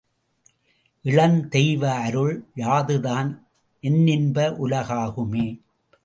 இளந் தெய்வ அருள் யாதுதான் என்னின்ப உலகாகுமே!